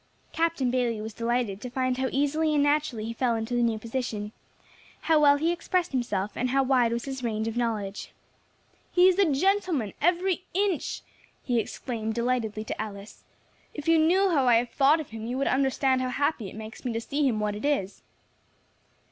Captain Bayley was delighted to find how easily and naturally he fell into the new position, how well he expressed himself, and how wide was his range of knowledge. "He is a gentleman, every inch," he exclaimed delightedly to Alice. "If you knew how I have thought of him you would understand how happy it makes me to see him what he is."